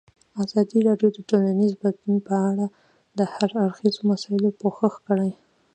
ازادي راډیو د ټولنیز بدلون په اړه د هر اړخیزو مسایلو پوښښ کړی.